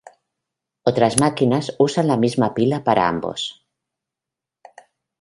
Otras máquinas usan la misma pila para ambos.